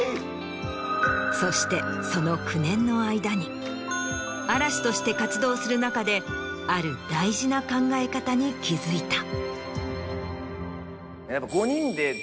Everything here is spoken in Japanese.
そしてその９年の間に嵐として活動する中である大事な考え方に気付いた。